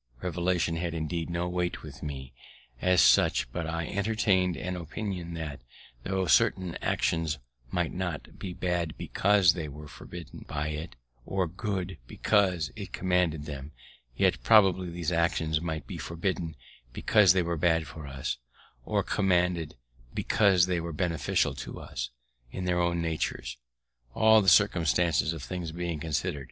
Revelation had indeed no weight with me, as such; but I entertain'd an opinion that, though certain actions might not be bad because they were forbidden by it, or good because it commanded them, yet probably these actions might be forbidden because they were bad for us, or commanded because they were beneficial to us, in their own natures, all the circumstances of things considered.